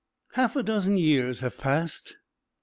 Half a dozen years have passed.